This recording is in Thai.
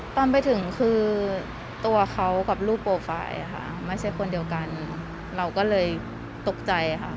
ตอนไปถึงคือตัวเขากับรูปโปรไฟล์ค่ะไม่ใช่คนเดียวกันเราก็เลยตกใจค่ะ